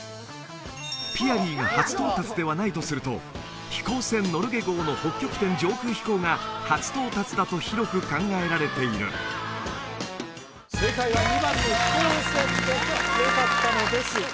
ピアリーが初到達ではないとすると飛行船ノルゲ号の北極点上空飛行が初到達だと広く考えられている正解は２番の「飛行船」でよかったのです